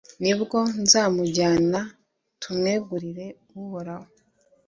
ni bwo nzamujyana, tumwegurire uhoraho